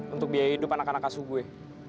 untuk biaya hidup anak anak saya